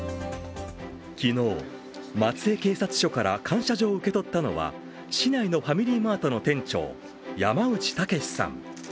昨日、松江警察署から感謝状を受け取ったのは市内のファミリーマートの店長山内剛さん。